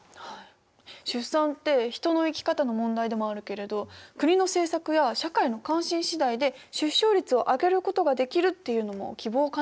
出産って人の生き方の問題でもあるけれど国の政策や社会の関心次第で出生率を上げることができるっていうのも希望を感じました。